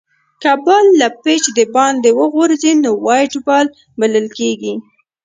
که بال له پيچ دباندي وغورځي؛ نو وایډ بال بلل کیږي.